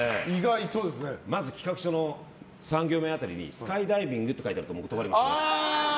まず企画書の３行目辺りにスカイダイビングって書いてあったら断ります。